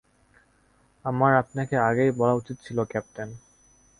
আমার আপনাকে আগেই বলা উচিত ছিল, ক্যাপ্টেন।